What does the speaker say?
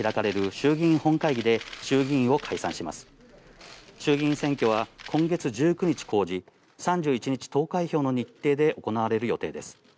衆議院選挙は今月１９日公示、３１日投開票の日程で行われる予定です。